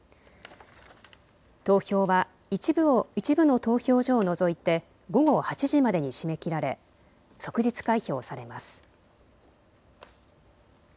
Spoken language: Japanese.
投票は一部の投票所を除いて午後８時までに締め切られ即日開票されます。